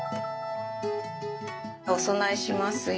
お供えしますよ。